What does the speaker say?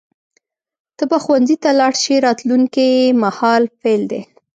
ته به ښوونځي ته لاړ شې راتلونکي مهال فعل دی.